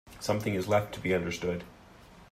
Something is left to be understood.